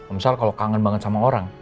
om sal kalau kangen banget sama orang